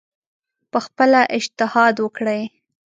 پخپله اجتهاد وکړي